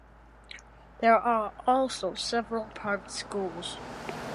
There are also several private schools.